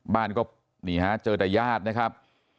บ้านก็เจอแต่ญาตินะครับ